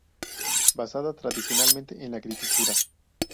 Basada tradicionalmente en la agricultura.